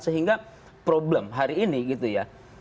sehingga problem hari ini gitu ya